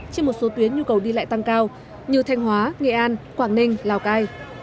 trên một số tuyến nhu cầu đi lại tăng cao như thanh hóa nghệ an quảng ninh lào cai